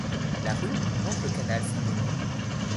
La rue longe le canal Saint-Denis.